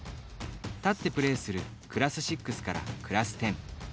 立ってプレーするクラス６からクラス１０。